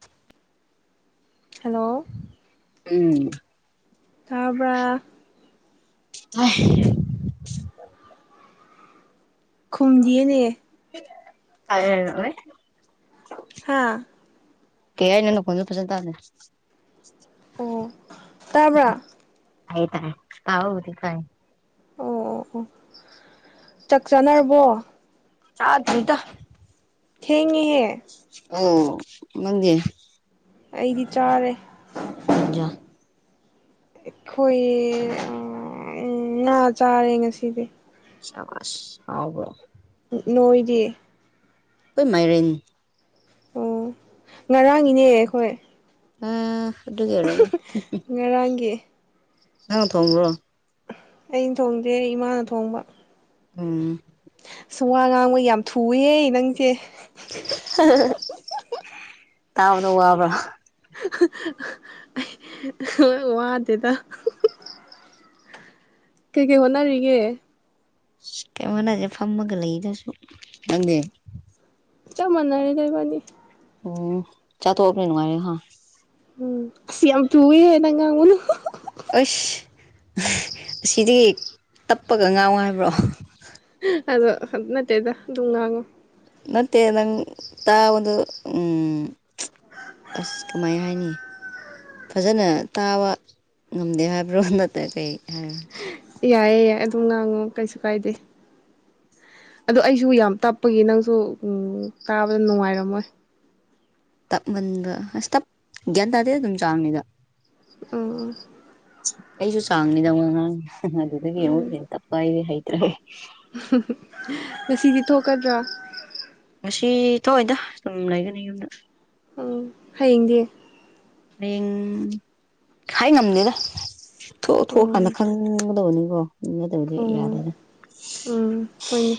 ꯆ ꯍꯜꯂꯣ ꯎꯝ ꯇꯥꯕ ꯑ ꯈꯨꯝꯗꯤꯦꯅꯦ ꯀꯥꯏꯅꯦ ꯍꯥꯥ ꯀꯌꯥꯅꯅꯣꯣꯏꯅ ꯐꯁꯟ ꯇꯥꯔꯦ ꯇꯥꯕ꯭ꯔ ꯍꯥꯏ ꯇꯥꯏ ꯍꯥꯎꯗꯤ ꯇꯥꯏ ꯑꯣ ꯑꯣ ꯑꯣ ꯆꯥꯛ ꯆꯥꯅꯔꯕꯣ ꯆꯥꯗ꯭ꯔꯤꯗ ꯊꯦꯡꯉꯤꯍꯦ ꯑ ꯃꯒꯦ ꯑꯩꯗꯤ ꯆꯥꯔꯦ ꯀꯖꯥ ꯑꯩꯈꯣꯏ ꯥ ꯆꯥꯔꯦ ꯉꯁꯤꯗꯤ ꯆꯃꯁ ꯍꯥꯎꯕ꯭ꯔꯣ ꯅꯣꯏꯗꯤ ꯑꯩꯈꯣꯏ ꯃꯥꯏꯔꯦꯟ ꯑꯣ ꯉꯔꯥꯡ ꯏꯅꯦ ꯑꯩꯈꯣꯏ ꯍꯥ ꯑꯗꯨ ꯀ ꯂꯪ ꯉꯔꯥꯡꯒꯤ ꯅꯪ ꯊꯣꯡꯕ꯭ꯔꯣ ꯑꯩꯅ ꯊꯣꯡꯖꯦ ꯏꯃꯥꯅ ꯊꯣꯡꯕ ꯎꯝ ꯁꯨꯡꯋꯥ ꯉꯥꯡꯕ ꯌꯥꯝ ꯊꯨꯏꯌꯦ ꯅꯪꯁꯦ ꯇꯥꯕ꯭ꯔꯣ ꯋꯥꯕ꯭ꯔꯥ ꯑꯩ ꯋꯥꯗꯦꯗ ꯀꯩ ꯀꯩ ꯍꯣꯅꯔꯔꯤꯒꯦ ꯁꯤꯈꯥꯏ ꯃꯅꯨꯡꯖ ꯐꯥꯝ ꯃꯒ ꯂꯩꯏꯗꯁꯨꯪꯗꯦ ꯆꯃꯅꯅꯤ ꯀꯔꯤꯕꯗꯤ ꯎꯝ ꯆꯥ ꯊꯣꯅꯦꯅ ꯑꯌꯦ ꯍꯥ ꯎꯝ ꯁꯤ ꯌꯥꯝ ꯄꯦ ꯅꯪꯉꯉꯨꯅ ꯑꯁ ꯑꯁꯤꯗꯒꯤ ꯇꯞꯄꯒ ꯉꯥꯡ ꯍꯥꯏꯥꯏꯕ꯭ꯔꯣ ꯑꯗꯣ ꯅꯠꯇꯦꯗ ꯑꯗꯨꯝ ꯉꯥꯡꯉꯨ ꯃꯦ ꯅꯪ ꯇꯑꯣꯗ ꯎꯝ ꯑ ꯀꯃꯥꯏ ꯍꯥꯏꯅꯤ ꯐꯖꯅ ꯇꯥꯕ ꯉꯝꯗꯦ ꯍꯥꯏꯕ꯭ꯔꯣ ꯅꯠꯇ ꯀꯔꯤ ꯍꯥꯏꯔ ꯌꯥꯏꯌꯦ ꯌꯥꯏ ꯑꯗꯨꯝ ꯉꯥꯡꯉꯣ ꯀꯩꯁꯨ ꯀꯥꯏꯗꯦ ꯑꯗꯣ ꯑꯩꯁꯨ ꯌꯥꯝ ꯇꯞꯄꯒꯤ ꯅꯪꯁꯨ ꯇꯥꯕꯗ ꯅꯨꯡꯉꯥꯏꯔꯝꯃꯣꯏ ꯇꯞꯃꯟꯕ ꯑꯁ ꯇꯞ ꯒ꯭ꯌꯥꯟ ꯇꯥꯗꯦ ꯑꯗꯨꯝ ꯆꯥꯡꯅꯤꯗ ꯑꯣ ꯑꯩꯁꯨ ꯆꯥꯡꯅꯤꯗ ꯑꯃꯛ ꯑꯉꯥꯡ ꯑꯗꯨꯗꯒꯤ ꯑꯃꯨꯛ ꯍꯦꯟ ꯇꯞꯄ ꯍꯥꯏꯗꯤ ꯍꯩꯇ꯭ꯔꯦ ꯉꯥꯁꯤꯗꯤ ꯊꯣꯛꯀꯗ꯭ꯔꯥ ꯉꯥꯁꯤ ꯊꯣꯛꯑꯣꯏꯗ ꯁꯨꯝ ꯂꯩꯒꯥꯅꯤ ꯌꯨꯝꯗ ꯑꯥ [unintelligible] ꯍꯥꯌꯦꯡꯗꯤ ꯍꯥꯌꯦꯡ ꯍꯥꯏ ꯉꯝꯗꯦꯗ ꯊꯣꯛꯑ ꯊꯣꯛꯑ ꯀꯥꯟꯗ ꯈꯪꯕ ꯇꯅꯤꯕꯣ [unintelligible] ꯑꯣ ꯎꯝ ꯍꯣꯏꯅꯦ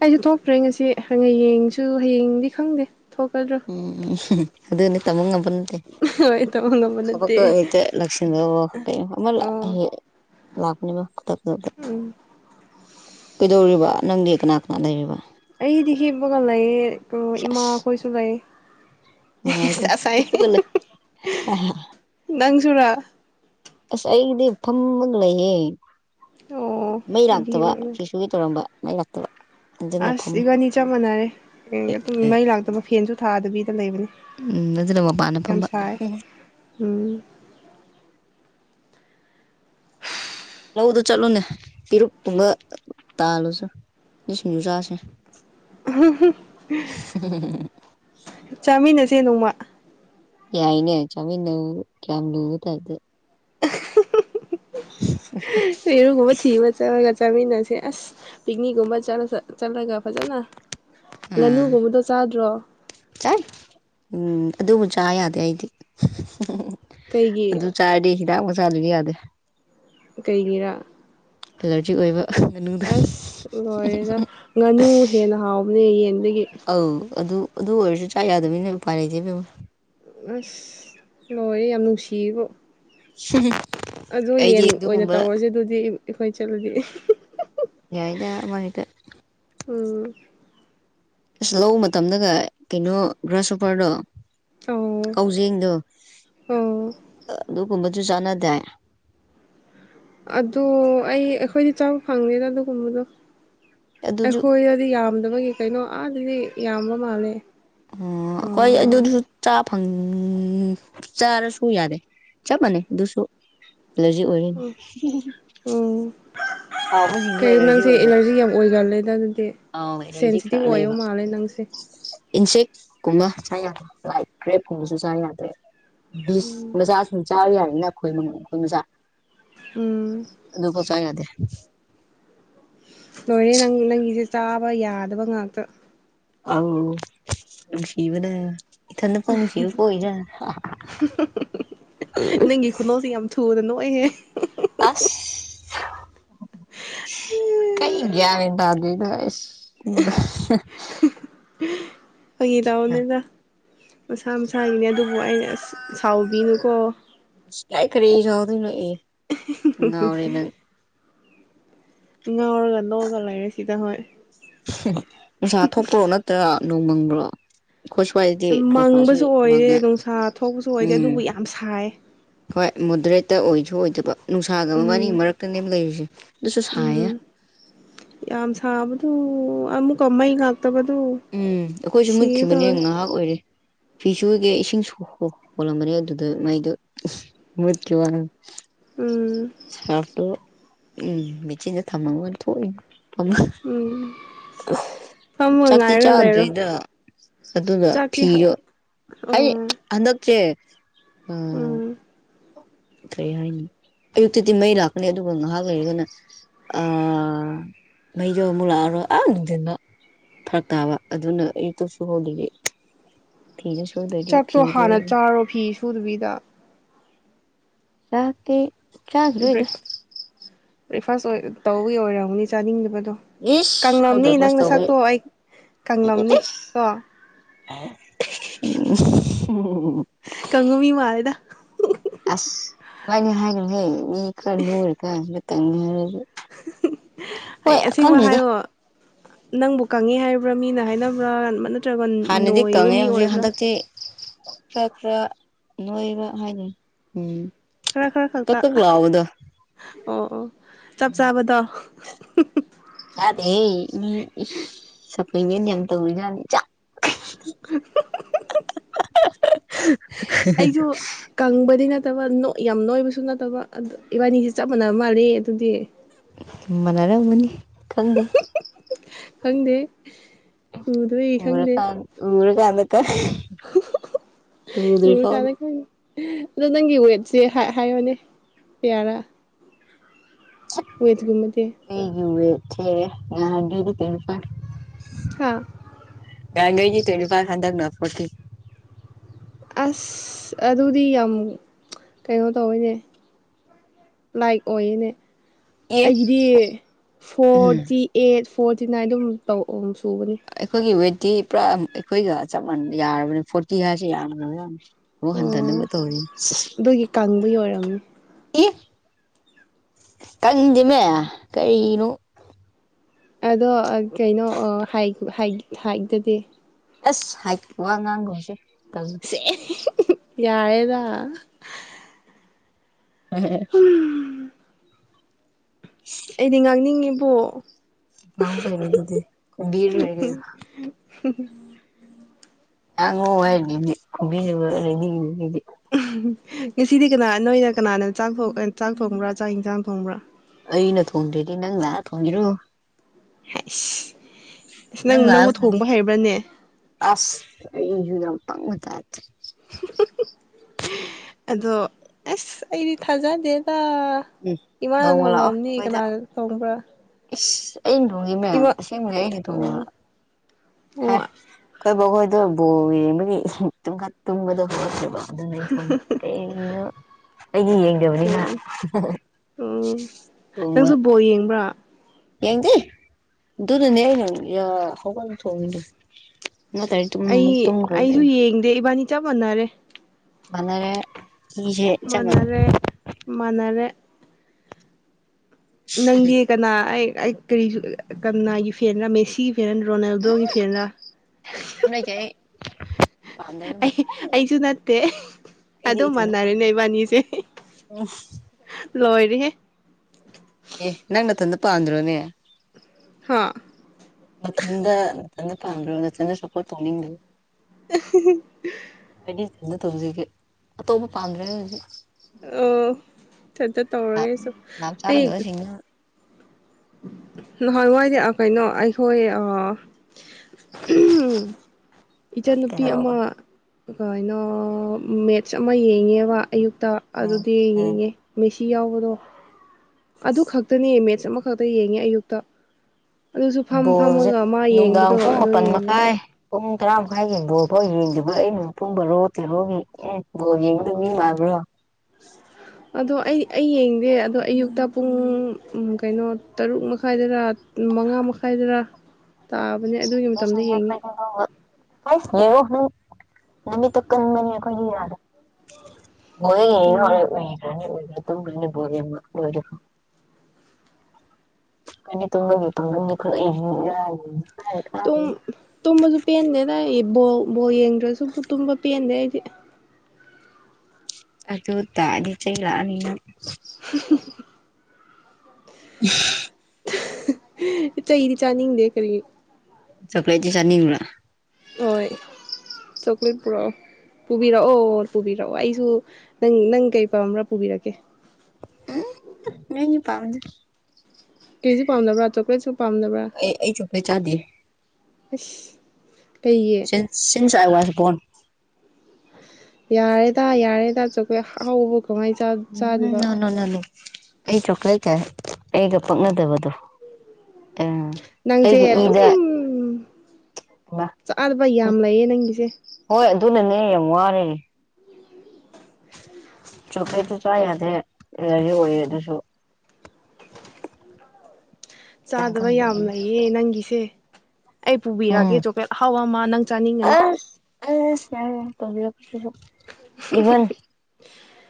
ꯑꯩꯁꯨ ꯊꯣꯛꯇ꯭ꯔꯦ ꯉꯥꯁꯤ ꯍꯌꯦꯡꯁꯨ ꯍꯌꯦꯡꯗꯤ ꯈꯪꯗꯦ ꯊꯣꯛꯀꯗ꯭ꯔꯥ ꯎꯝ ꯎꯝ ꯑꯗꯨꯅꯦ ꯇꯝꯕ ꯉꯝꯕ ꯅꯠꯇꯦ ꯍꯣꯏ ꯇꯝꯕ ꯉꯝꯕ ꯅꯠꯇꯦ ꯂꯥꯛꯁꯤꯟꯗ ꯀꯩꯅꯣ ꯑꯃ ꯑꯣ ꯂꯥꯛꯄꯅꯦꯕ ꯈꯨꯗꯗ ꯎꯝ ꯀꯩꯗꯧꯔꯤꯕ ꯅꯪꯗꯤ ꯀꯅꯥ ꯀꯅꯥ ꯂꯩꯔꯤꯕ ꯑꯩꯗꯤ ꯍꯤꯞꯄꯒ ꯂꯩꯌꯦ ꯑꯗꯣ ꯏꯃꯥ ꯁꯦꯁ ꯈꯣꯏꯁꯨ ꯂꯩꯌꯦ ꯅꯨꯡꯉꯥꯏꯀꯣ ꯏ ꯀ ꯅꯪꯖꯨꯔꯥ ꯑꯁ ꯑꯩꯗꯤ ꯐꯝꯃꯥꯒ ꯂꯩꯌꯦ ꯑꯣ ꯃꯩ ꯑꯩꯗꯤ ꯂꯥꯛꯇꯕ ꯍꯤꯞꯄꯒ ꯂꯩ ꯁꯨꯒꯤ ꯇꯧꯔꯝꯕ ꯃꯥꯏ ꯂꯥꯛꯛꯇꯕ ꯑꯁ ꯏꯕꯥꯅꯤ ꯆꯞ ꯃꯥꯟꯅꯔꯦ ꯐꯦꯟꯒ ꯑꯗꯨꯝ ꯃꯩ ꯂꯥꯛꯇꯕ ꯐꯦꯟꯁꯨ ꯊꯥꯗꯕꯤꯗ ꯂꯩꯕꯥꯅꯦ ꯎꯝ ꯑꯗꯨꯅ ꯃꯕꯥꯅ ꯐꯝꯕ ꯎꯝ ꯂꯧꯗꯨ ꯆꯠꯂꯨꯅꯦ ꯄꯤꯔꯨꯛ ꯀꯨꯝꯕ ꯇꯥꯜꯂꯨꯆꯣ ꯁꯤꯡꯖꯨ ꯆꯥꯁꯦ [unintelligible] ꯍ [unintelligible] ꯆꯥꯃꯤꯟꯅꯥꯁꯦ ꯅꯣꯡꯃꯥ ꯌꯥꯏꯅꯦ ꯆꯥꯃꯤꯟꯅꯕꯕꯨ ꯀꯌꯥꯝ ꯂꯨꯕ ꯇꯥꯏꯞꯗ [unintelligible] ꯌꯦꯔꯨꯝꯒꯨꯝꯕ ꯊꯤꯕ ꯆꯠꯂꯥꯒ ꯆꯥꯃꯤꯟꯅꯥꯁꯦ ꯑꯁ ꯄꯤꯛꯅꯤꯛꯀꯨꯝꯕ ꯆꯠꯂ ꯆꯠꯂꯒ ꯐꯖꯥꯅ ꯎꯝ ꯉꯥꯅꯨꯒꯨꯝꯕꯗꯣ ꯆꯥꯗ꯭ꯔꯣ? ꯆꯥꯏ ꯎꯝ ꯑꯗꯨꯕꯨ ꯆꯥ ꯌꯥꯗꯦ ꯑꯩꯗꯤ꯫ ꯀꯩꯒꯤ? ꯑꯗꯨ ꯆꯥꯔꯗꯤ ꯍꯤꯗꯥꯛ ꯆꯥꯗꯕ ꯌꯥꯗꯦ꯫ ꯀꯩꯒꯤꯔꯥ? ꯑꯦꯂꯥꯔꯖꯤꯛ ꯑꯣꯏꯕ ꯉꯥꯅꯨꯗ ꯑꯁ ꯂꯣꯏꯔꯦꯗ ꯉꯥꯅꯨ ꯍꯦꯟꯅ ꯍꯥꯎꯕꯅꯦ ꯌꯦꯟꯗꯒꯤ꯫ ꯑꯧ ꯑꯗꯨ ꯑꯗꯨ ꯑꯣꯏꯔꯁꯨ ꯆꯥ ꯌꯥꯗꯕꯅꯦ ꯎꯄꯥꯏ ꯂꯩꯇꯦ ꯏꯕꯦꯝꯃꯥ꯫ ꯑꯁ! ꯂꯣꯏꯔꯦ ꯌꯥꯝ ꯅꯨꯡꯁꯤꯕꯨ ꯫ [unintelligible] ꯑꯗꯨ ꯑꯩꯗꯤ ꯌꯦꯟ ꯑꯣꯏꯅ ꯑꯗꯨꯒꯨꯝꯕ ꯇꯧꯔꯁꯦ ꯑꯗꯨꯗꯤ ꯑꯩꯈꯣꯏꯅ ꯆꯠꯂꯗꯤ꯫ ꯌꯥꯏꯗ ꯑꯃ ꯍꯦꯛꯇ꯫ ꯎꯝ ꯑꯁ ꯂꯧꯕ ꯃꯇꯝꯗꯒ ꯀꯩꯅꯣ ꯒ꯭ꯔꯥꯁꯍꯣꯞꯄꯔꯗꯣ ꯑꯣ ꯀꯧꯖꯦꯡꯗꯣ ꯑꯣ ꯑꯗꯨꯒꯨꯝꯕꯁꯨ ꯆꯥꯟꯅꯗꯥꯏ ꯑꯗꯣ ꯑꯩ ꯑꯈꯣꯏꯗꯤ ꯆꯥꯕ ꯐꯪꯉꯦꯗ ꯑꯗꯨꯒꯨꯝꯕꯗꯣ꯫ ꯑꯗꯨꯁꯨ ꯑꯩꯈꯣꯏꯗꯗꯤ ꯌꯥꯝꯗꯕꯒꯤ ꯀꯩꯅꯣ ꯑꯥꯗꯗꯤ ꯌꯥꯝꯕ ꯃꯥꯜꯂꯦ꯫ ꯑꯣ ꯑꯩꯈꯣꯏ ꯑꯗꯨ ꯑꯥ ꯗꯨ ꯆꯥ ꯐꯪ ꯆꯥꯔꯁꯨ ꯌꯥꯗꯦ ꯆꯞ ꯃꯥꯟꯅꯩ ꯑꯗꯨꯁꯨ ꯑꯦꯂꯔꯖꯤꯛ ꯑꯣꯏꯔꯦꯅꯦ ꯀꯩꯅꯤ ꯅꯪꯁꯦ ꯑꯣꯏꯕ ꯑꯦꯂꯥꯔꯖꯤ ꯌꯥꯝ ꯑꯣꯏꯒꯜꯂꯦꯗ ꯑꯗꯨꯗꯤ꯫ ꯑꯥꯎ ꯑꯦꯂꯔꯖꯤ ꯁꯦꯟꯁꯤꯇꯤꯚ ꯑꯣꯏꯕ ꯃꯥꯜꯂꯦ ꯅꯪꯁꯦ꯫ ꯏꯟꯁꯦꯛꯀꯨꯝꯕ ꯆꯥ ꯌꯥꯗꯦ ꯂꯥꯏꯠ ꯀ꯭ꯔꯦꯞ ꯀꯨꯝꯕꯁꯨ ꯆꯥ ꯌꯥꯗ꯭ꯔꯦ ꯕꯤꯁ ꯃꯆꯥ ꯆꯥꯕ ꯌꯥꯎꯗꯅ ꯈꯣꯏ ꯈꯣꯏ ꯃꯆꯥ ꯎꯝ ꯑꯗꯨ ꯐꯥꯎ ꯆꯥ ꯌꯥꯗꯦ ꯂꯣꯏꯔꯦ ꯅꯪ ꯅꯪꯒꯤꯁꯦ ꯆꯥꯕ ꯌꯥꯗꯕ ꯉꯥꯛꯇ꯫ ꯑꯧ ꯅꯨꯡꯁꯤꯕꯥꯅ ꯏꯊꯟꯗꯐꯥꯎ ꯅꯨꯡꯁꯤꯕ ꯄꯣꯛꯏꯖꯥꯠꯅꯤ ꯅꯪꯒꯤ ꯈꯨꯅꯣꯛꯁꯦ ꯌꯥꯝ ꯊꯨꯅ ꯅꯣꯛꯑꯦꯍꯦ ꯑꯁ! ꯀꯩ ꯒ꯭ꯌꯥꯟ ꯃꯦꯟ ꯇꯥꯗꯦ ꯅꯪ ꯍꯥꯏꯁꯤ꯫ ꯐꯥꯒꯤ ꯇꯧꯕꯅꯤꯗ ꯃꯁꯥ ꯃꯁꯥꯒꯤꯅꯦ ꯑꯗꯨꯕꯨ ꯑꯩꯅ ꯑꯁ ꯁꯥꯎꯕꯤꯅꯨꯀꯣ ꯀꯥꯏ ꯀꯔꯤ ꯁꯥꯎꯗꯣꯏꯅꯣ ꯑꯦ ꯉꯥꯎꯔꯦ ꯅꯪ꯫ ꯉꯥꯎꯔꯒ ꯅꯣꯛꯑꯒ ꯂꯩꯔꯦ ꯁꯤꯗ ꯍꯣꯏ꯫ ꯅꯨꯡꯁꯥ ꯊꯣꯛꯄ꯭ꯔꯣ ꯅꯠꯇ꯭ꯔꯥꯒ ꯅꯣꯡ ꯃꯪꯕ꯭ꯔꯣ? ꯈꯣꯏ ꯁ꯭ꯋꯥꯏꯗꯤ ꯈꯔ ꯈꯁꯨ ꯃꯪꯕꯁꯨ ꯑꯣꯏꯗꯦ ꯃꯥꯡꯉꯦ ꯅꯨꯡꯁꯥ ꯊꯣꯛꯄꯁꯨ ꯑꯣꯏꯗꯦ ꯎꯝ ꯑꯗꯨꯕꯨ ꯌꯥꯝ ꯁꯥꯏ ꯍꯣꯏ ꯃꯣꯗꯔꯦꯠꯇ ꯑꯣꯏꯁꯨ ꯑꯣꯏꯗꯕ ꯅꯨꯡꯁꯥꯒ ꯃꯕꯥꯅꯤ ꯎꯝ ꯃꯔꯛꯇꯅꯦꯕ ꯂꯩꯔꯤꯁꯦ ꯑꯗꯨꯁꯨ ꯁꯥꯏꯌꯦ꯫ ꯎꯝ ꯌꯥꯝ ꯁꯥꯕꯗꯣ ꯑꯃꯨꯛꯀꯥ ꯃꯩ ꯂꯥꯛꯇꯕꯗꯣ ꯎꯝ ꯑꯩꯈꯣꯏꯁꯨ ꯃꯨꯠꯈꯤꯕꯥꯅꯦ ꯉꯥꯏꯍꯥꯛ ꯑꯣꯏꯔꯦ ꯐꯤ ꯁꯨꯕꯥꯒꯤ ꯏꯁꯤꯡ ꯍꯣꯜꯂꯝꯕꯅꯦ ꯑꯗꯨꯗ ꯃꯩꯗꯣ ꯃꯨꯠꯈꯤꯕ ꯋꯥꯅꯦ꯫ ꯎꯝ ꯁꯔꯇꯣ ꯎꯝ ꯃꯤꯆꯤꯟꯗ ꯊꯝꯃꯒ ꯊꯣꯛ ꯏꯅꯤ ꯎꯝ ꯐꯝꯃꯒ ꯆꯥꯛꯇꯤ ꯉꯥꯏꯔꯒ ꯂꯩꯔꯣ꯫ ꯆꯥꯗ꯭ꯔꯤꯗ ꯑꯗꯨꯒ ꯆꯥꯛꯇꯥ ꯍꯥ ꯑꯣ ꯍꯟꯗꯛꯆꯦ ꯎꯝ ꯀꯔꯤ ꯍꯥꯏꯅꯤ ꯑꯌꯨꯛꯇꯗꯤ ꯃꯩ ꯂꯥꯛꯄꯅꯦ ꯑꯗꯨꯕꯨ ꯉꯥꯏꯍꯥꯛ ꯂꯩꯔꯒꯅ ꯑ ꯃꯩꯗꯣ ꯑꯃꯨꯨꯛ ꯂꯥꯛꯑꯔꯣꯏ ꯑꯥ ꯅꯨꯡꯗꯤꯟꯗ ꯐꯔꯛ ꯇꯥꯕ ꯑꯗꯨꯅ ꯑꯌꯨꯛꯇꯁꯨ ꯍꯧꯗꯕꯤ ꯆꯛꯇꯣ ꯍꯥꯟꯅ ꯆꯥꯔꯣ ꯐꯤ ꯁꯨꯗꯕꯤꯗ [unintelligible] ꯕ꯭ꯔꯦꯛ ꯕ꯭ꯔꯦꯛꯐꯥꯁ ꯑꯣꯏ ꯇꯧꯕꯒꯤ ꯑꯣꯏꯔꯝꯅꯤ ꯆꯥꯅꯤꯡꯗꯕꯗꯣ ꯏꯁ ꯑꯩꯈꯣꯏ ꯀꯪꯂꯝꯅꯤ ꯅꯪ ꯕ꯭ꯔꯦꯛꯐꯥꯁ ꯇꯧꯕꯩ ꯅꯁꯛꯇꯣ ꯑꯩ ꯀꯪꯂꯝꯅꯤ ꯀꯣ ꯎ [unintelligible] ꯀꯪꯕ ꯃꯤ ꯃꯥꯜꯂꯦꯗ ꯑꯁ ꯃꯥꯏꯅꯗꯤ ꯍꯥꯏꯅꯨꯍꯦ ꯃꯤ ꯈꯔ ꯅꯣꯏꯔꯤꯀꯥꯟꯁꯤꯗ ꯀꯪꯉꯦ ꯍꯥꯏꯗꯤ [unintelligible] ꯑꯩ ꯑꯁꯦꯡꯕ ꯍꯥꯏꯌꯣ ꯅꯪꯕꯨ ꯀꯪꯉꯦ ꯍꯥꯏꯔꯤꯕ꯭ꯔꯥ ꯃꯤꯅ ꯍꯥꯏꯅꯕ꯭ꯔꯥ ꯅꯠꯇ꯭ꯔꯒ ꯍꯥꯟꯅꯗꯤ ꯅꯣꯏꯕ ꯀꯪꯉꯦ ꯃꯤ ꯍꯧꯖꯤꯛ ꯑꯣꯏꯕ꯭ꯔꯥ ꯍꯟꯗꯛꯇꯤ ꯈꯔ ꯅꯣꯏꯕ ꯍꯥꯏꯅꯤ ꯎꯝ ꯈꯔ ꯈꯔ ꯀꯛ ꯈꯛꯇ ꯀꯛ ꯂꯥꯎꯕꯗꯣ ꯑꯣ ꯑꯣ ꯆꯞ ꯆꯥꯕꯗꯣ ꯆꯥꯗꯦꯍꯦ ꯃꯤ ꯏꯁ ꯁꯞꯄ꯭ꯂꯤꯃꯦꯟ ꯌꯥꯝ ꯇꯧꯔꯤꯖꯥꯠꯅꯤ ꯆꯥ [unintelligible] ꯑꯩꯁꯨ ꯀꯪꯕꯗꯤ ꯅꯠꯇꯕ ꯅꯣ ꯌꯥꯝ ꯅꯣꯏꯕꯁꯨ ꯅꯠꯇꯕ ꯏꯕꯥꯅꯤꯁꯦ ꯆꯞ ꯃꯥꯟꯅꯕ ꯃꯥꯜꯂꯤ ꯑꯗꯨꯗꯤ ꯃꯟꯅꯔꯝꯒꯅꯤ ꯈꯪꯗꯦ ꯈꯪꯗꯦ ꯎꯗꯣꯏ ꯎꯔꯀꯥꯟ ꯎꯔꯀꯥꯟꯗ ꯀ [unintelligible] ꯎꯔ ꯎꯗ꯭ꯔꯤꯐꯥꯎ ꯀꯥꯟꯗ ꯈꯪꯅꯤ ꯑꯗꯣ ꯅꯪꯒꯤ ꯋꯦꯠꯁꯦ ꯍꯥ ꯍꯥꯏꯌꯣꯅꯦ ꯀꯌꯥꯔꯥ ꯑꯣꯏꯗꯨꯒꯨꯝ [unintelligible] ꯑꯩꯒꯤ ꯋꯦꯠꯁꯦ ꯅꯍꯥꯟꯒꯩꯗꯤ [unintelligible] ꯍꯥꯥ ꯅꯍꯥꯟꯒꯩꯗꯤ ꯇ꯭ꯋꯦꯟꯅꯤ ꯐꯥꯏ ꯈꯟꯗꯛ ꯅ ꯐꯣꯔꯇꯤ ꯑꯁ ꯑꯗꯨꯗꯤ ꯌꯥꯝ ꯀꯩꯅꯣ ꯇꯧꯋꯤꯅꯦ ꯂꯥꯏꯛ ꯑꯣꯏꯌꯦꯅꯦ ꯑꯦ ꯑꯩꯒꯤꯗꯤ ꯎꯝ ꯐꯣꯔꯇꯤ ꯑꯩꯠ ꯐꯣꯔꯇꯤ ꯅꯥꯏꯟ ꯑꯗꯨꯝ ꯇꯧ ꯑꯣ ꯁꯨꯕꯅꯤ ꯑꯩꯈꯣꯏꯒꯤ ꯋꯦꯠꯇꯤ ꯄꯨꯔꯥ ꯑꯩꯈꯣꯏꯒ ꯆꯞ ꯃꯥꯟꯅ ꯌꯥꯔꯕꯅꯤ ꯐꯣꯔꯇꯤ ꯍꯥꯏꯔꯁꯤ ꯌꯥꯝꯈ꯭ꯔꯕ ꯖꯥꯅꯤ ꯑꯣ ꯍꯟꯗꯅꯕ ꯇꯧꯔꯤ ꯑꯗꯨꯒꯤ ꯀꯪꯕꯒꯤ ꯑꯣꯏꯔꯝꯃꯤ ꯏ ꯀꯪꯗꯦꯃꯦ ꯀꯔꯤꯅꯣ ꯑꯗꯣ ꯀꯩꯅꯣ ꯍꯥꯏꯛ ꯍꯥꯏꯛ ꯍꯥꯏꯛꯗꯗꯤ ꯑꯁ ꯍꯥꯏꯛ ꯋꯥ ꯉꯥꯡꯒꯨꯝꯁꯦ ꯇꯜꯂꯦ ꯁꯦ [unintelligible] ꯌꯥꯔꯦꯗꯥ [unintelligible] ꯍꯨꯝ ꯑꯩꯗꯤ ꯉꯥꯡꯅꯤꯡꯉꯤꯕꯣ ꯉꯥꯡꯕꯤꯔꯣ ꯑꯗꯨꯗꯤ ꯈꯨꯝꯕꯤꯔꯔꯣꯏꯒꯦ ꯑꯩ [unintelligible] ꯉꯥꯡꯉꯣ ꯍꯥꯏꯔꯤꯅꯦ ꯑꯩꯗꯤ ꯈꯨꯝꯕꯤ [unintelligible] [unintelligible] ꯉꯁꯤꯗꯤ ꯀꯅꯥ ꯅꯣꯏꯅ ꯀꯅꯥꯅ ꯆꯥꯛꯊꯣꯡ ꯑꯦ ꯆꯥꯛ ꯊꯣꯡꯕ꯭ꯔꯥ ꯆꯥꯛ ꯌꯦꯟꯁꯥꯡ ꯊꯣꯡꯕ꯭ꯔꯥ ꯑꯩꯅ ꯊꯣꯡꯗ꯭ꯔꯗꯤ ꯅꯪ ꯂꯥꯛꯑ ꯊꯣꯡꯉꯦꯔꯣ ꯏꯁ ꯅꯪ ꯂꯥꯛꯑ [unintelligible] ꯑꯁ ꯑꯩꯁꯨ ꯌꯥꯝ ꯄꯪꯕ ꯇꯥꯏꯞꯇ ꯑꯗꯣ ꯑꯁ ꯑꯩꯗꯤ ꯊꯥꯖꯗꯦꯗ ꯎꯝ ꯏꯃꯥꯅ ꯊꯣꯡꯂꯝꯒꯅꯤ ꯀꯅꯥꯅ ꯊꯣꯡꯕ꯭ꯔꯥ ꯏꯁꯁ ꯑꯩꯅ ꯊꯣꯡꯉꯤ ꯃꯦꯝ ꯏꯃꯥ ꯑꯁꯦꯡꯕꯁ ꯑꯩꯅ ꯊꯣꯡꯉꯤꯕ ꯑꯣ ꯑꯣ ꯑꯩꯈꯣꯏ ꯕꯈꯣꯏꯗꯣ ꯕꯣꯜ ꯌꯦꯡꯕꯒꯤ ꯇꯨꯝꯈꯠ ꯇꯨꯝꯕꯗꯣ ꯍꯧꯔꯛ꯭ꯔꯦꯕꯣ ꯑꯗꯨꯅ ꯑꯩ ꯊꯣꯡꯕ ꯀꯗꯣ ꯑꯩꯒꯤ ꯌꯦꯡꯗꯕꯅꯤꯅ ꯎꯝ ꯎꯝ ꯅꯪꯁꯨ ꯕꯣꯜ ꯌꯦꯡꯕ꯭ꯔꯥ ꯌꯦꯪꯗꯦ ꯑꯗꯨꯗꯨ ꯅꯦ ꯍꯒꯁꯨ ꯃꯥ ꯑꯩ ꯑꯩꯁꯨ ꯌꯦꯡꯗꯦ ꯏꯕꯥꯅꯤ ꯆꯞ ꯃꯥꯟꯅꯔꯦ ꯃꯉꯔ ꯃꯅꯔꯦ ꯃꯅꯔꯦ ꯅꯪꯗꯤ ꯀꯅꯥ ꯑꯩ ꯀꯔꯤ ꯀꯅꯥ ꯌꯨꯐꯦꯟꯅ ꯃꯦꯁꯤ ꯐꯦꯔꯅ ꯔꯣꯅꯥꯜꯗꯣꯒꯤ ꯐꯤꯔꯅ ꯍ ꯀꯩꯂꯩꯇꯦꯍꯦ ꯑꯩ ꯑꯩꯁꯨ ꯅꯠꯇꯦ ꯑꯩꯗꯤ ꯑꯗꯨꯝ ꯏꯊꯟꯇ ꯃꯥꯟꯅꯔꯦꯅꯦ ꯄꯥꯝꯖꯩ ꯏꯕꯥꯅꯤꯁꯦ ꯂꯣꯏꯔꯤꯍꯦ ꯑꯦ ꯅꯪ ꯇꯟꯄꯥꯗ꯭ꯔꯣꯅꯦ ꯍꯥ ꯃꯊꯟꯗ ꯅꯆꯟꯗ ꯄꯥꯝꯕꯔꯣ ꯅꯊꯟꯗ ꯁꯞꯄꯣꯔꯠ ꯇꯧꯅꯤꯡꯕ꯭ꯔꯣ [unintelligible] ꯍꯥꯏꯗꯤ ꯇꯧꯖꯒꯦ ꯑꯇꯣꯞꯄ ꯄꯥꯝꯗ꯭ꯔꯦ ꯍꯧꯖꯤꯛ ꯑꯣ ꯊꯇ ꯇꯧꯔꯒꯦ ꯑꯩꯁꯨ ꯂꯥꯞ ꯑꯩ ꯆꯥꯗꯕꯁꯤꯡꯅ ꯍꯣꯏ ꯃꯣꯏꯗꯤ ꯀꯩꯅꯣ ꯑꯩꯈꯣꯏ ꯑ ꯎꯝ ꯏꯆꯟꯅꯨꯄꯤ ꯑꯃ ꯀꯩꯗꯧꯔꯕ ꯀꯩꯅꯣ ꯃꯦꯠꯁ ꯑꯃ ꯌꯦꯡꯉꯦꯕ ꯑꯌꯨꯛꯇ ꯎꯝ ꯑꯗꯨꯗꯤ ꯎꯝ ꯌꯦꯡꯉꯦ ꯃꯦꯁꯤ ꯌꯥꯎꯕꯗꯣ ꯑꯗꯨ ꯈꯛꯇꯅꯦ ꯃꯦꯠꯁ ꯑꯃꯈꯛꯇ ꯌꯦꯡꯉꯦ ꯑꯌꯨꯛꯇ ꯑꯗꯨꯁꯨ ꯐꯝ ꯕꯣꯜꯁꯦ ꯐꯝꯃꯒ ꯃꯥ ꯅꯨꯡꯗꯥꯡ ꯌꯦꯡꯕꯗꯣ ꯄꯨꯡ ꯑꯗꯨꯣ ꯃꯥꯄꯟ ꯌꯦꯡꯕꯅꯤ ꯃꯈꯥꯏ ꯄꯨꯡ ꯇꯔꯥ ꯃꯈꯥꯏꯒꯤ ꯕꯣꯜꯐꯥꯎ ꯌꯦꯡꯗꯕ ꯑꯩꯅ ꯄꯨꯝꯕꯔꯣ ꯇꯦꯔꯣꯒꯤ ꯎꯝ ꯕꯣꯜ ꯌꯦꯡꯗꯕ ꯃꯤ ꯃꯥꯟꯕ꯭ꯔꯣ ꯑꯗꯣ ꯑꯩ ꯑꯩ ꯌꯦꯡꯗꯦ ꯑꯗꯣ ꯑꯌꯨꯛꯇ ꯄꯨꯡ ꯀꯩꯅꯣ ꯇꯔꯨꯛ ꯃꯈꯥꯏꯗꯔꯥ ꯃꯉꯥ ꯃꯈꯥꯏꯗꯔ ꯇꯥꯕꯅꯦ ꯑꯗꯨꯒꯤ ꯃꯇꯝꯗ ꯌꯦꯡꯉꯤ ꯑꯣ ꯌꯦꯣ ꯅꯪ ꯅꯨꯃꯤꯠꯇ ꯀꯟꯕꯅꯤ ꯑꯩꯈꯣꯏꯒꯤ ꯌꯥꯗ ꯎꯝ ꯍꯣꯏ ꯍꯅꯤ ꯃꯣ ꯀꯅꯤ ꯇꯨꯡꯒꯕꯤꯄꯅꯤ ꯇꯨꯝ ꯇꯨꯝꯕꯁꯨ ꯄꯦꯟꯗꯦꯗ ꯑꯩ ꯕꯣꯜ ꯕꯣꯜ ꯌꯦꯡꯗ꯭ꯔꯁꯨ ꯇꯨꯝꯕ ꯄꯦꯟꯗꯦ ꯑꯩꯗꯤ ꯑꯗꯨ꫰ꯇꯥꯔꯥꯗꯤ ꯆꯩ ꯂꯥꯛ꫰ꯑꯥꯅꯤ ꯅꯪ ꯎ ꯁꯤ ꯆꯩꯩꯗꯤ ꯆꯥꯅꯤꯡꯗꯦ ꯈꯔꯤ ꯆꯀ꯭ꯂꯦꯠ ꯆ ꯆꯅꯤ ꯍꯣꯏ ꯆꯧꯀꯂꯦꯠ ꯄꯣꯔꯛꯑꯣ ꯄꯨꯕꯤꯔꯛꯑꯣ ꯄꯨꯕꯤꯔꯛꯑꯣ ꯑꯩꯁꯨ ꯅꯪ ꯅꯪ ꯀꯩ ꯄꯥꯝꯕ꯭ꯔꯥ ꯄꯨꯕꯤꯔꯛꯀꯦ ꯎꯝ ꯃꯤ ꯄꯥꯝꯗ ꯀꯦꯖꯤ ꯄꯥꯝꯗ꯭ꯔ ꯆꯣꯀ꯭ꯂꯦꯠꯁꯨ ꯄꯥꯝꯗ꯭ꯔꯥ ꯑꯩ ꯑꯩ ꯆꯣꯀꯣꯂꯦꯠ ꯆꯥꯗꯦ ꯑꯁ ꯀꯩꯒꯤ ꯁꯤꯁꯤꯡꯁ ꯑꯥꯏ ꯋꯥꯁꯟꯟ ꯌꯥꯔꯦꯗ ꯌꯥꯔꯦꯗ ꯆꯣꯀꯣꯂꯦꯠ ꯑꯍꯥꯑꯣꯕꯥ ꯀꯃꯥꯏ ꯆꯥꯗꯣꯏꯅꯣ ꯎꯝ ꯅ ꯅꯣ ꯅ ꯑꯩ ꯆꯣꯀ꯭ꯂꯦꯠꯀ ꯑꯩꯒ ꯄꯛꯅꯗꯕꯗꯣ ꯑꯥ ꯅꯪꯁꯦ ꯑꯩꯒꯤ ꯑꯗꯨ ꯏꯗ ꯑꯗꯨꯝ ꯃꯥ ꯆꯥꯗꯕ ꯌꯥꯝ ꯂꯩꯌꯦ ꯅꯪꯒꯤꯁꯦ ꯍꯣꯏ ꯑꯗꯨꯅꯅꯦ ꯌꯥꯝ ꯋꯥꯔꯦ ꯆꯣꯀ꯭ꯂꯦꯠꯁꯨ ꯆꯥ ꯌꯥꯗꯔꯦ ꯑꯦꯂꯔꯖꯤ ꯑꫭꯏꯌꯦ ꯑꯗꯨꯁꯨ ꯅꯪ ꯆꯥꯗꯕ ꯌꯥꯝ ꯈꯪꯗꯕꯩꯅꯦ ꯂꯩꯌꯦ ꯅꯪꯒꯤꯁꯦ ꯑꯩ ꯎꯝ ꯄꯨꯕꯤꯔꯛꯑꯒꯦ ꯆꯣꯀ꯭ꯂꯦꯠ ꯑꯍꯥꯎ ꯑꯃ ꯅꯪ ꯆꯥꯅꯤꯡꯉꯅꯤ ꯑꯁ ꯑꯁ ꯌꯥꯔꯦ ꯌꯥꯔꯦ ꯇꯧꯕꯔꯛ ꯇꯥꯔꯁꯨ ꯏꯚꯟ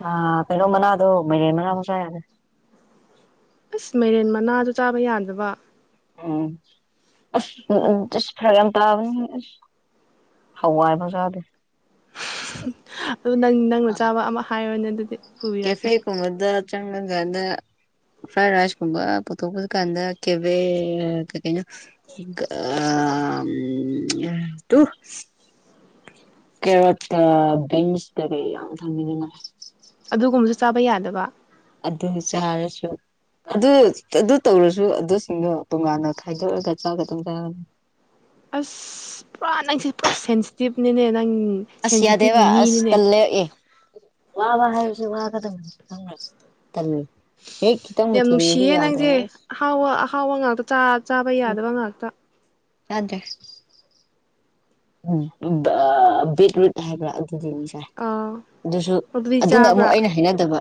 ꯑꯥ ꯀꯩꯅꯣ ꯃꯅꯥꯗꯣ ꯃꯩꯔꯦꯟ ꯃꯅꯥ ꯐꯥꯎ ꯆꯥꯥ ꯌꯥꯗꯦ ꯑꯁ ꯃꯩꯔꯦꯟ ꯃꯅꯥꯗꫭ ꯆꯥꯕ ꯌꯥꯗꯕ ꯎꯝ ꯑꯁ ꯎꯝ ꯎꯝ ꯑꯁ ꯐꯔꯛ ꯌꯥꯝ ꯇꯥꯕꯅꯤ ꯑꯁ ꯍꯋꯥꯏ ꯐꯥꯎ ꯆꯥꯗꯦ ꯑꯗꯨ ꯅꯪ ꯅꯪꯅ ꯆꯥꯕ ꯑꯃ ꯍꯥꯏꯔꯣꯅꯦ ꯑꯗꯨꯗꯤ ꯄꯨꯕꯤꯔꯛꯀꯦ ꯀꯦꯐꯦ ꯀꯨꯝꯕꯗ ꯆꯪꯉꯥ ꯀꯥꯟꯗꯥ ꯐꯥꯔ-ꯔꯥꯏꯁꯀꯨꯝꯕ ꯄꯨꯊꯣꯀꯄꯨ ꯀꯥꯟꯗ ꯀꯚꯤꯁ ꯀꯩꯅꯅꯣ ꯇꯨ [unintelligible] ꯀꯦꯔꯣꯠ ꯀꯥ ꯕꯤꯟꯁ ꯀꯩ ꯀꯩ ꯌꯥꯝ ꯊꯥꯝꯃꯤꯗꯅ ꯑꯗꯨꯒꯨꯝꯕꯁꯨ ꯆꯥꯕ ꯌꯥꯗꯕ ꯑꯗꯨ ꯆꯔꯁꯨ ꯑꯗꯨ ꯑꯗꯨ ꯇꯧꯔꯁꯨ ꯑꯗꯨꯁꯤꯡꯗꯣ ꯇꯣꯉꯥꯟꯅ ꯈꯥꯏꯗꯣꯛꯑꯒ ꯆꯥ ꯑꯗꯨꯝ ꯆꯥꯒꯅꯤ ꯑꯁ ꯄꯨꯔꯥ ꯅꯪꯁꯦ ꯄꯨꯔꯥ ꯁꯦꯟꯁꯤꯇꯤꯞꯅꯤꯅꯦ ꯅꯪ ꯑꯁ ꯁꯦꯟꯁꯤꯇꯤꯞꯀꯤ ꯌꯥꯗꯕ ꯑꯁ ꯃꯤꯅꯤꯅꯦ ꯇꯜꯂꯦ ꯑꯦ ꯋꯥ ꯋꯥ ꯍꯥꯏꯁ ꯋꯥꯒꯗꯕꯅꯩ ꯈꯪꯕꯔꯥ ꯇꯥꯜꯂꯦ ꯍꯦꯛ ꯈꯤꯇꯪꯕꯨ ꯌꯥꯝ ꯊꯤꯡꯉꯗꯤ ꯅꯨꯡꯁꯤꯌꯦ ꯌꯥꯗ꯭ꯔꯦ ꯅꯪꯁꯦ ꯑꯍꯥꯎꯕ ꯑꯍꯥꯎꯕ ꯉꯥꯛꯇ ꯆꯥ ꯆꯥꯕ ꯎꯝ ꯌꯥꯗꯕ ꯉꯥꯛꯇ ꯌꯥꯗ꯭ꯔꯦ ꯎꯝ ꯑꯥ ꯕꯤꯠ ꯔꯠ ꯍꯥꯏꯕꯔ ꯑꯗꯨꯗꯤ ꯑꯥ ꯑꯗꯨꯁꯨ ꯑꯗꯨꯗꯤ ꯑꯗꯨꯅ ꯑꯃꯨꯛ ꯆꯥꯕ꯭ꯔꯥ ꯑꯩꯅ ꯍꯩꯏꯅꯗꯕ